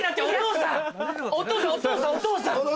お父さんお父さん。